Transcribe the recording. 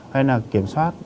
hay là kiểm soát